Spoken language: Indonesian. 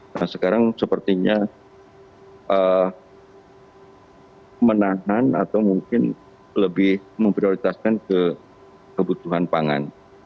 nah sekarang sepertinya menahan atau mungkin lebih memprioritaskan ke kebutuhan pangan